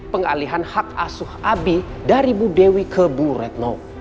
pengalihan hak asuh abi dari bu dewi ke bu retno